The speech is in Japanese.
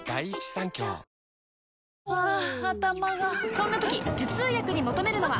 ハァ頭がそんな時頭痛薬に求めるのは？